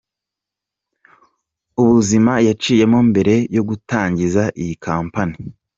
com ubuzima yaciyemo mbere yo gutangiza iyi Company.